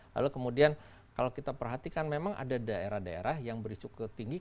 lalu kemudian kalau kita perhatikan memang ada daerah daerah yang berisiko tinggi